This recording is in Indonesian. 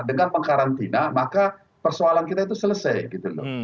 dengan mengkarantina maka persoalan kita itu selesai gitu loh